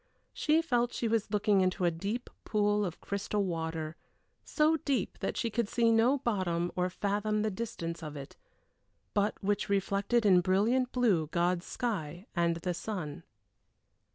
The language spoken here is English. She felt she was looking into a deep pool of crystal water, so deep that she could see no bottom or fathom the distance of it, but which reflected in brilliant blue God's sky and the sun.